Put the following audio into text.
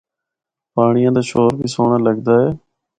پانڑیا دا شور بھی سہنڑا لگدا اے۔